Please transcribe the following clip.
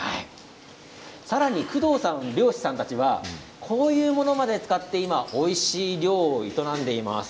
さらに工藤さん漁師さんたちはこういうものまで使っておいしい漁を営んでいます。